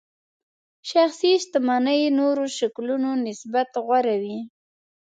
شخصي شتمنۍ نورو شکلونو نسبت غوره وي.